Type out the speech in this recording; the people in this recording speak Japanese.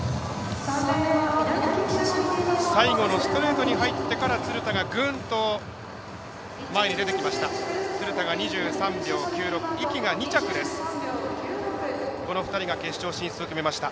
最後のストレートに入ってから鶴田がぐんと前に出てきました。